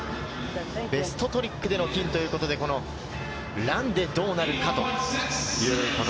ベストトリックでの金ということで、ランでどうなるかという。